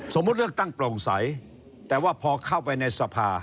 เลือกตั้งโปร่งใสแต่ว่าพอเข้าไปในสภา